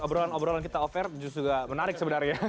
obrolan obrolan kita offer justru menarik sebenarnya